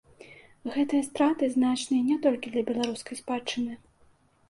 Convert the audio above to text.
Гэтыя страты значныя не толькі для беларускай спадчыны.